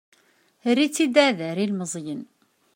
Err-itt-id ɛad i yilmeẓyen.